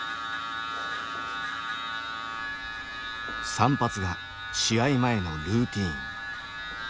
散髪が試合前のルーティーン。